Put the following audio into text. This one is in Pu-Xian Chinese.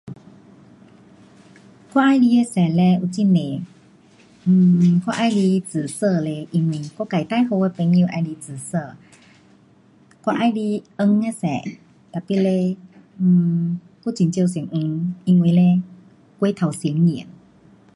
我喜欢的色嘞有很多。um 我喜欢 紫色嘞，因为我自己最好的朋友喜欢紫色。我喜欢黄 的色 tapi leh um 我很少穿黄，因为过头显眼。